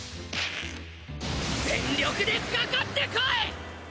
全力でかかって来い！